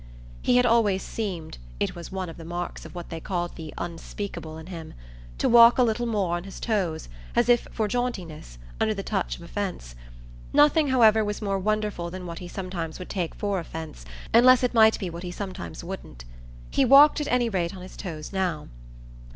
He had always seemed it was one of the marks of what they called the "unspeakable" in him to walk a little more on his toes, as if for jauntiness, under the touch of offence. Nothing, however, was more wonderful than what he sometimes would take for offence, unless it might be what he sometimes wouldn't. He walked at any rate on his toes now.